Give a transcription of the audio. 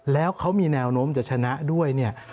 แล้วเขามีแนวโน้มจะชนะด้วยเนี่ย